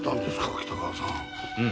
北川さん。